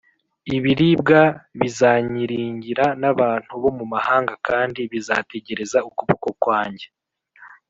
Ibirwa bizanyiringira n’abantu bo mu mahanga kandi bizategereza ukuboko kwanjye